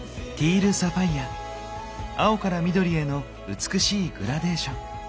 青から緑への美しいグラデーション。